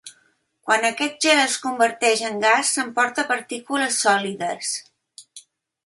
Quan aquest gel es converteix en gas s’emporta partícules sòlides.